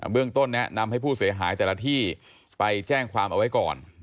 เบื้องต้นแนะนำให้ผู้เสียหายแต่ละที่ไปแจ้งความเอาไว้ก่อน